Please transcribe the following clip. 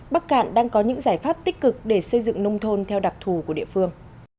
bắc cạn đang có những giải pháp tích cực để xây dựng nông thôn theo đặc thù của địa phương